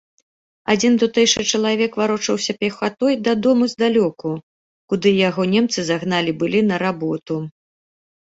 Адзін тутэйшы чалавек варочаўся пехатой дадому здалёку, куды яго немцы загналі былі на работу.